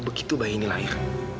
begitu bayi ini lahir